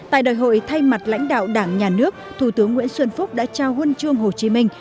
tại đại hội thay mặt lãnh đạo đảng nhà nước thủ tướng nguyễn xuân phúc đã trao huân chương hồ chí minh